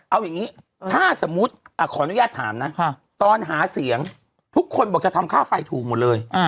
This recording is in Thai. เอาอย่างนี้ถ้าสมมุติขออนุญาตถามนะตอนหาเสียงทุกคนบอกจะทำค่าไฟถูกหมดเลย